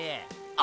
あ